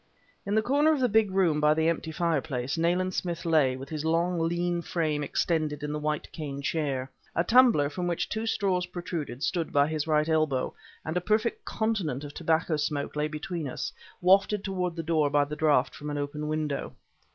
In the corner of the big room by the empty fireplace, Nayland Smith lay, with his long, lean frame extended in the white cane chair. A tumbler, from which two straws protruded, stood by his right elbow, and a perfect continent of tobacco smoke lay between us, wafted toward the door by the draught from an open window.